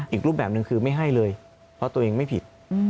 อีกรูปแบบหนึ่งคือไม่ให้เลยเพราะตัวเองไม่ผิด